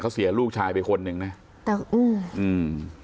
เขาเสียลูกชายเป็นคนหนึ่งน่ะแต่อื้ออื้อ